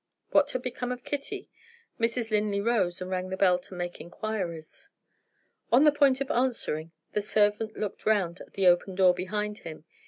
What had become of Kitty? Mrs. Linley rose and rang the bell to make inquiries. On the point of answering, the servant looked round at the open door behind him.